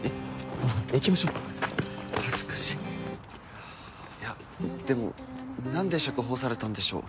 ほら行きましょう恥ずかしいいやでも何で釈放されたんでしょう